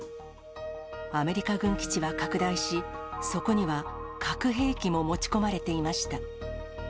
アメリカ軍基地は拡大し、そこには核兵器も持ち込まれていました。